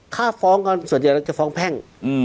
ถ้าฟ้องกันส่วนใหญ่เราจะฟ้องแพ่ง